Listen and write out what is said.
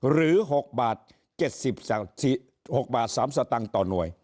๖บาท๗๖บาท๓สตางค์ต่อหน่วย